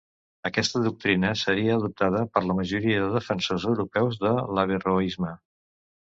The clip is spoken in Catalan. Aquesta doctrina seria adoptada per la majoria de defensors europeus de l'averroisme.